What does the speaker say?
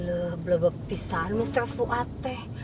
leluh blabepisan mr fuat teh